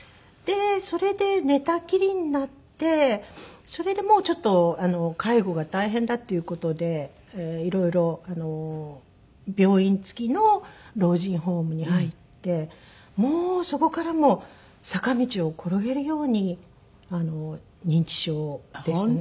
それで寝たきりになってそれでもうちょっと介護が大変だっていう事でいろいろ病院付きの老人ホームに入ってもうそこから坂道を転げるように認知症でしたね。